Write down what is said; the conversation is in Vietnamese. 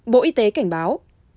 bộ y tế cảnh báo